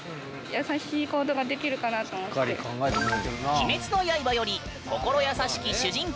「鬼滅の刃」より心優しき主人公